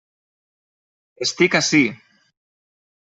Estic ací!